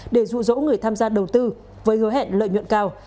để dụ dỗ người tham gia đầu tư với hứa hẹn lợi nhuận cao